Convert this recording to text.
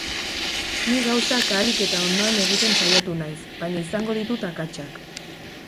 Ni gauzak ahalik eta ondoen egiten saiatu naiz, baina izango ditut akatsak.